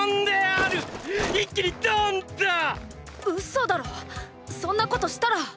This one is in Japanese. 嘘だろ⁉そんなことしたら！